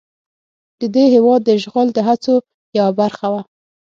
د دې هېواد د اشغال د هڅو یوه برخه وه.